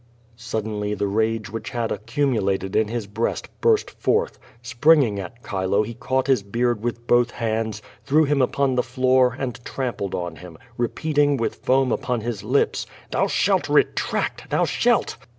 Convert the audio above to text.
Suddenly the rage which had accumulated in his breast burst forth. Springing at Chilo he caught his beard with both hands, threw him to the floor and trampled on liim, repeating, with foam upon his lips: "Thou shalt retract, thou Shalt."